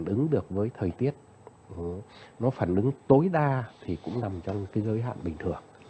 để nó phản ứng được với thời tiết nó phản ứng tối đa thì cũng nằm trong cái giới hạn bình thường